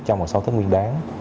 trong một số tháng nguyên đáng